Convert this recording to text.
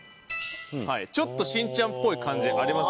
ちょっとしんちゃんっぽい感じありますよね。